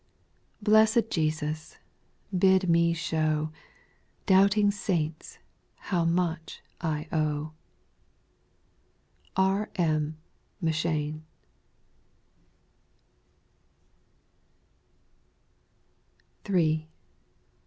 Blessed Jesus ! bid me show Doubting saints how much I owe. R. M. m'cheyne.